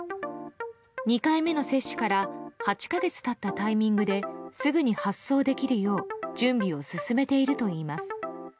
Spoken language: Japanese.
２回目の接種から８か月経ったタイミングですぐに発送できるよう準備を進めているといいます。